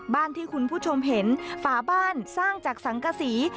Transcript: บ้านที่คุณผู้ชมเห็นฝาบ้านสร้างจากสังกษี